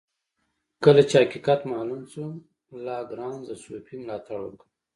کله چې حقیقت معلوم شو لاګرانژ د صوفي ملاتړ وکړ.